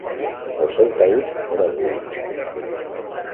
El seu taüt era buit.